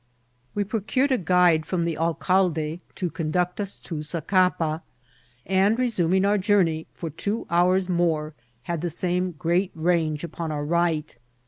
We jHTOcured a guide from the alcalde to conduct us to Zacapa ; and, resuming our journey, for two hours more had the same great range upon our right.